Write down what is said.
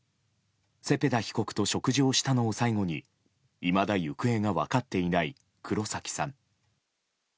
セペダ被告と食事をしたのを最後にいまだ行方が分かっていない黒崎さん。